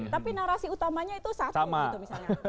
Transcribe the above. tapi narasi utamanya itu satu gitu misalnya